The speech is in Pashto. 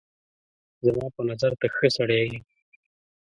زما په نظر ته ښه سړی یې